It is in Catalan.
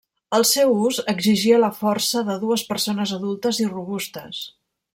El seu ús exigia la força de dues persones adultes i robustes.